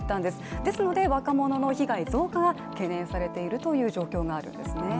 ですので、若者の被害増加が懸念されているという状況があるんですね。